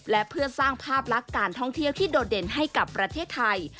และเพื่อสร้างภาพลักษณ์การท่องเที่ยวที่โดดเด่นให้กับประเทศไทย